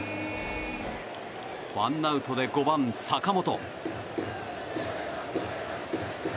ワンアウトで５番、坂本。